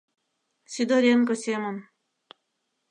Сидоренко семын